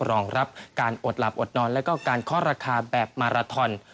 รองรับการอดหลับอดนอนแล้วก็การเคาะราคาแบบมาราทอน